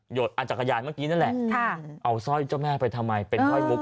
อันจักรยานเมื่อกี้นั่นแหละเอาสร้อยเจ้าแม่ไปทำไมเป็นสร้อยมุก